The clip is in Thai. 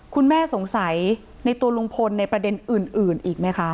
คุณแม่สงสัยในตัวลุงพลในประเด็นอื่นอีกไหมคะ